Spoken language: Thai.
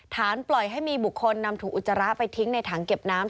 ปล่อยให้มีบุคคลนำถุงอุจจาระไปทิ้งในถังเก็บน้ำ